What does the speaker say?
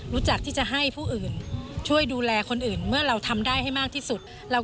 ไม่ใช่ยืมยาว